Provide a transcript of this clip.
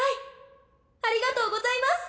ありがとうございます！